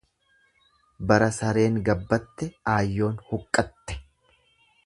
Bara sareen gabbatte aayyoon huqqatte.